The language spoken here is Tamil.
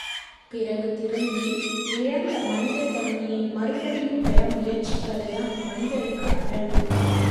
பிறகு திருந்தி, இழந்த மனிதத் தன்மையை மறுபடியும் பெற முயற்சிப்பதுதான் மனிதருக்கு அழகு.